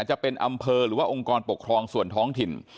จะเป็นอำเภอหรือว่าองค์กรปกครองส่วนท้องถิ่น